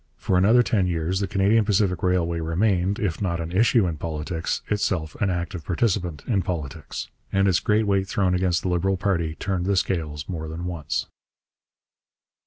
For another ten years the Canadian Pacific Railway remained, if not an issue in politics, itself an active participant in politics. And its great weight thrown against the Liberal party turned the scales more than once.